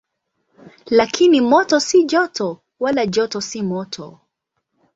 Lakini moto si joto, wala joto si moto.